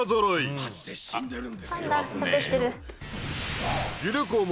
マジで死んでるんですよ